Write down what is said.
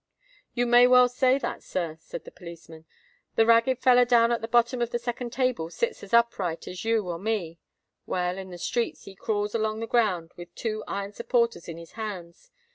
"You may well say that, sir," said the policeman. "The ragged feller down at the bottom of the second table sits as upright as you or me: well, in the streets he crawls along the ground with two iron supporters in his hands.